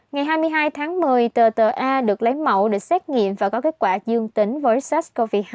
ngày hai mươi hai tháng một mươi tờ ta được lấy mẫu để xét nghiệm và có kết quả dương tính với sars cov hai